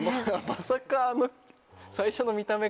まさかあの。